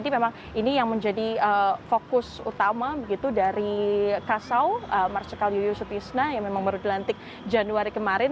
ini memang yang menjadi fokus utama dari kasau marsikal yuyusupisna yang memang baru dilantik januari kemarin